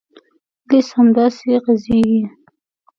لیست همداسې غځېږي.